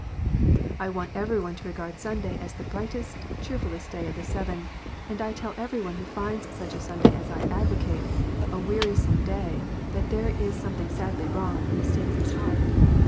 I want every one to regard Sunday as the brightest, cheerfulest day of all the seven ; and I tell every one who finds such a Sunday as I advocate, a wearisome day, that there is something sadly wrong in the state of his heart.